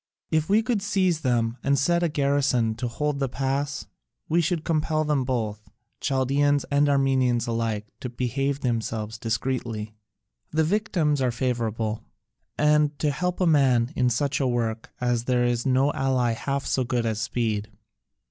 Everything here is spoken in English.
If we could seize them and set a garrison to hold the pass, we should compel them both, Chaldaeans and Armenians alike, to behave themselves discreetly. The victims are favourable; and to help a man in such a work as this there is no ally half so good as speed.